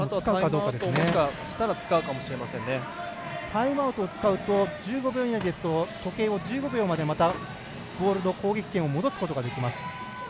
タイムアウトを使うと１５秒以内ですと時計を１５秒まで攻撃権を戻すことができます。